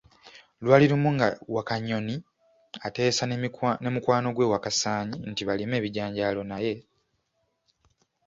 Lwali lumu nga Wakanyoni ateesa ne mukwano gwe Wakasaanyi nti balime ebijanjaalo naye.